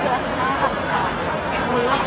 แล้วมันเป็นอะไรไหม